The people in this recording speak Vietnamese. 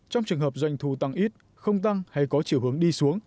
trong trường hợp doanh thu tăng ít không tăng hay có chiều hướng đi xuống